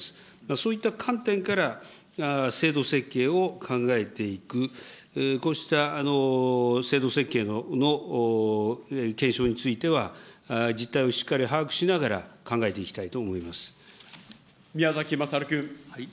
そういった観点から制度設計を考えていく、こうした制度設計の継承については、実態をしっかり把握しながら、宮崎勝君。